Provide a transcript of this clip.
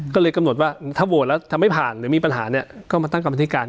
ก็เลยกำหนดว่าถ้าโหวตแล้วถ้าไม่ผ่านหรือมีปัญหาเนี่ยก็มาตั้งกรรมธิการ